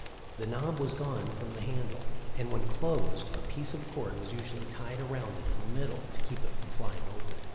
The knob was gone from the handle, and when closed a piece of cord was usually tied around it in the middle to keep it from flying open.